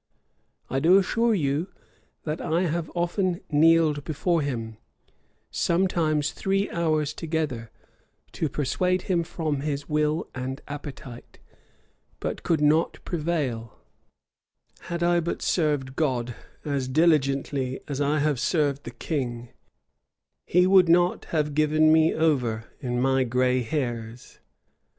"I do assure you, that I have often kneeled before him, sometimes three hours together, to persuade him from his will and appetite; but could not prevail: had I but served God as diligently as I have served the king, he would not have given me over in my gray hairs.